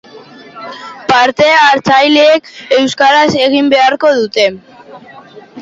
Parte hartzaileek euskaraz egin beharko dute.